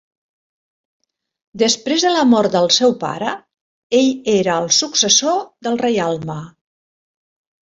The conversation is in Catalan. Després de la mort del seu pare, ell era el successor del reialme.